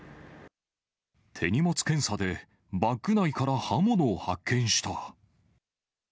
手荷物検査でバッグ内から刃物を発見した。